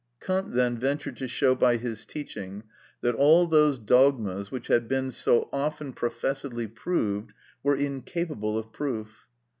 Kant, then, ventured to show by his teaching that all those dogmas which had been so often professedly proved were incapable of proof.